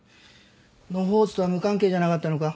野放図とは無関係じゃなかったのか？